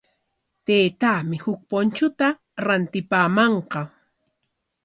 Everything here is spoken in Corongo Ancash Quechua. Taytaami huk punchuta rantipamanqa.